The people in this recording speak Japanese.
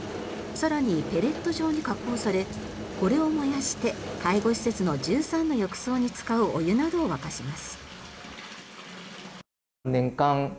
更に、ペレット状に加工されこれを燃やして介護施設の１３の浴槽に使うお湯などを沸かします。